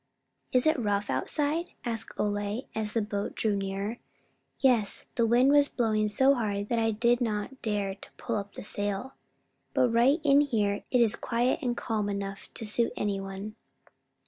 "Is it rough outside?" asked Ole, as the boat drew near. "Yes, the wind was blowing so hard I did not dare to put up the sail. But right in here it is quiet and calm enough to suit any one."